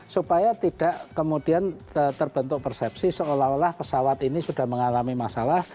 supaya tidak kemudian terbentuk persepsi seolah olah pesawat ini sudah mengalami masalah